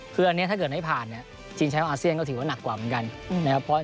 คืออันเนี้ยถ้าเกิดไม่ผ่านอาเซียนของที่ของจีนทรัพย์ก็ถือกว่านักกว่าเหมือนกัน